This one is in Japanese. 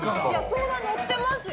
相談に乗ってますよ。